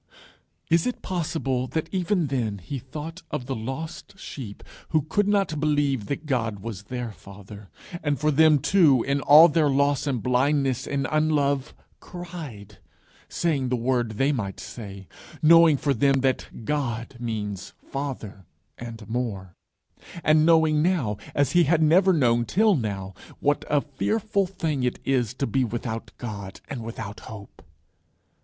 Is it possible that even then he thought of the lost sheep who could not believe that God was their Father; and for them, too, in all their loss and blindness and unlove, cried, saying the word they might say, knowing for them that God means Father and more, and knowing now, as he had never known till now, what a fearful thing it is to be without God and without hope?